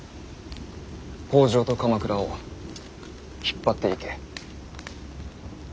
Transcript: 北条と鎌倉を引っ張っていけ。